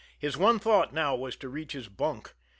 His one thought now was to reach his bunk.